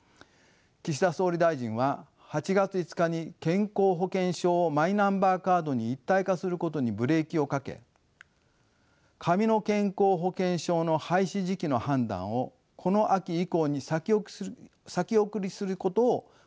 岸田総理大臣は８月５日に健康保険証をマイナンバーカードに一体化することにブレーキをかけ紙の健康保険証の廃止時期の判断をこの秋以降に先送りすることを国民に説明しました。